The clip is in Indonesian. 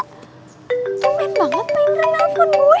lo main banget pak indra nelfon gue